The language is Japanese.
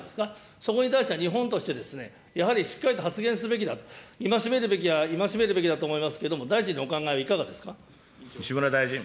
そこに対して日本として、やはりしっかりと発言すべきだと、戒めるべきは戒めるべきだと思いますけども、大臣のお考えはいかがですか。